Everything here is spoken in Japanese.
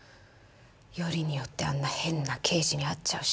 よりによってあんな変な刑事に会っちゃうし。